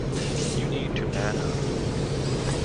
You need to man up!